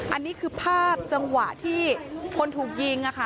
อันนี้คือภาพจังหวะที่คนถูกยิง